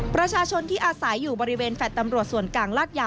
ประชาชนที่อาศัยอยู่บริเวณแฟลต์ตำรวจส่วนกลางลาดยา